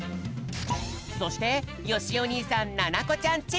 そしてよしお兄さんななこちゃんチーム！